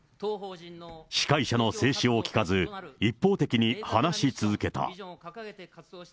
司会者の制止を聞かず、一方的に話し続けた。